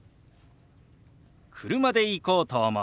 「車で行こうと思う」。